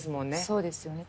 そうですよね。